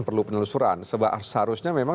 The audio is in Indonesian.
perlu penelusuran seharusnya memang